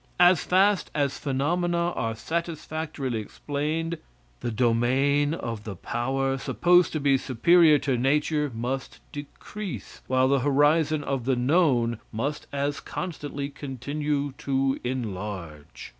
As fast as phenomena are satisfactorily explained the domain of the power, supposed to be superior to nature must decrease, while the horizon of the known must as constantly continue to enlarge.